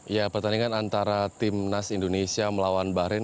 ya pertandingan antara timnas indonesia melawan bahrain